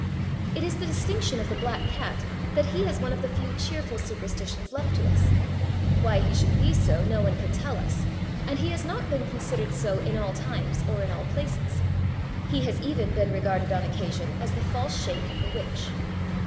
It is the distinction of the black cat that he is one of the few cheerful superstitions left to us. Why he should be so no one can tell us, and he has not been considered so in all times or in all places. He has even been regarded on occasion as the false shape of a witch.